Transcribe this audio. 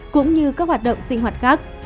cũng như các hoạt động sinh hoạt khác